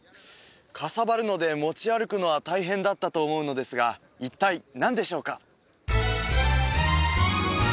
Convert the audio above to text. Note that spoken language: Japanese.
かさばるので持ち歩くのは大変だったと思うのですが一体何でしょうか？